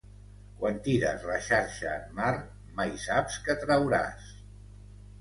Quan tires la xarxa en mar mai saps que trauràs.